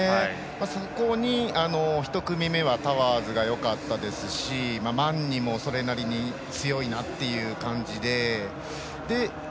そこに１組目はタワーズがよかったですしマンニもそれなりに強いなという感じで。